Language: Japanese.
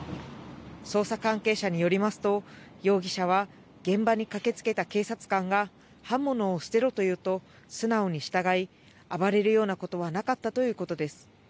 捜査関係者によりますと、容疑者は、現場に駆けつけた警察官が刃物を捨てろと言うと、素直に従い、暴れるようなことはなかったということです。